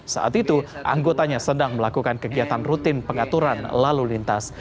saat itu anggotanya sedang melakukan kegiatan rutin pengaturan lalu lintas